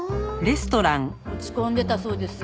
落ち込んでたそうですよ